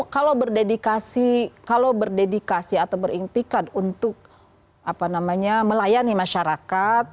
kalau berdedikasi atau berintikan untuk melayani masyarakat